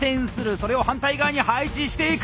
それを反対側に配置していく！